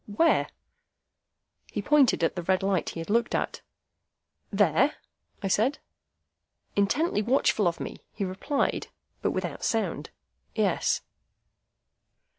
"Where?" He pointed to the red light he had looked at. "There?" I said. Intently watchful of me, he replied (but without sound), "Yes."